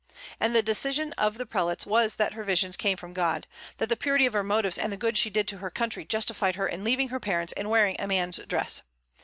And the decision of the prelates was that her visions came from God; that the purity of her motives and the good she did to her country justified her in leaving her parents and wearing a man's dress.